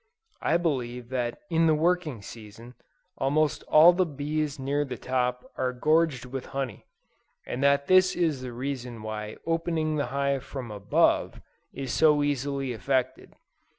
I believe that in the working season, almost all the bees near the top are gorged with honey, and that this is the reason why opening the hive from ABOVE is so easily effected.